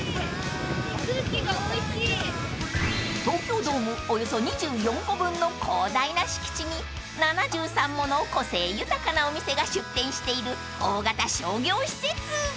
［東京ドームおよそ２４個分の広大な敷地に７３もの個性豊かなお店が出店している大型商業施設］